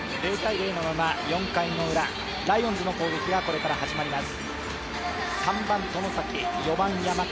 ０−０のまま４回のウラライオンズの攻撃がこれから始まります。